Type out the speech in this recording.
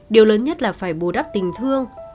điều lớn nhất là phải bù đắp tình thương